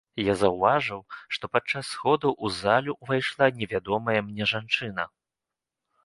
Я заўважыў, што падчас сходу ў залю ўвайшла невядомая мне жанчына.